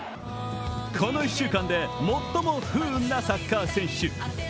この１週間で最も不運なサッカー選手。